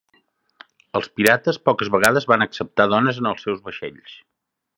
Els pirates poques vegades van acceptar dones en els seus vaixells.